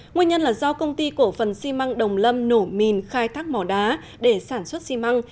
nguyên nhân là do công ty cổ phần xi măng đồng lâm nổ mìn khai thác mỏ đá để sản xuất xi măng